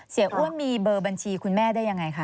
เสียอ้วนมีเบอร์บัญชีคุณแม่ได้อย่างไรคะ